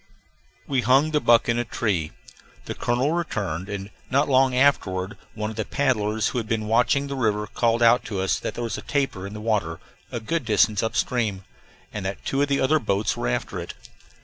We hung the buck in a tree. The colonel returned, and not long afterward one of the paddlers who had been watching the river called out to us that there was a tapir in the water, a good distance up stream, and that two of the other boats were after it.